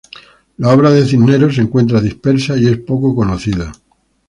La obra de Cisneros se encuentra dispersa y es poco conocida.